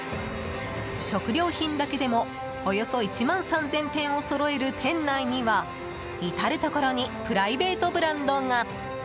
食料品だけでもおよそ１万３０００点をそろえる店内には至るところにプライベートブランドが。